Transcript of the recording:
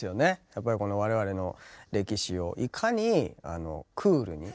やっぱりこの我々の歴史をいかにクールに。